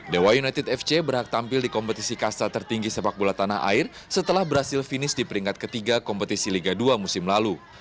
dewa united fc berhak tampil di kompetisi kasta tertinggi sepak bola tanah air setelah berhasil finish di peringkat ketiga kompetisi liga dua musim lalu